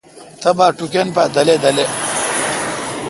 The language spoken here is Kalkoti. تبا ٹُکن پا دلے° دلے°